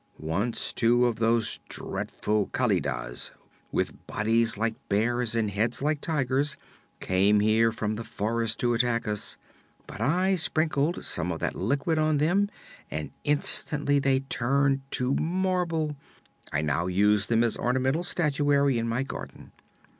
Once two of those dreadful Kalidahs, with bodies like bears and heads like tigers, came here from the forest to attack us; but I sprinkled some of that Liquid on them and instantly they turned to marble. I now use them as ornamental statuary in my garden.